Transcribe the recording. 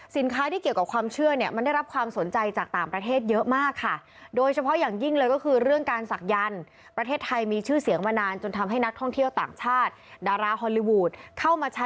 ที่เกี่ยวกับความเชื่อเนี่ยมันได้รับความสนใจจากต่างประเทศเยอะมากค่ะ